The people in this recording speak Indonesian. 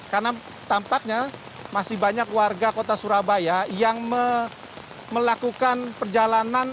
karena tampaknya masih banyak warga kota surabaya yang melakukan perjalanan